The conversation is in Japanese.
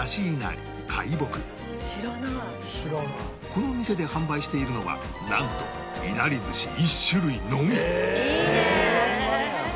この店で販売しているのはなんといなり寿司１種類のみ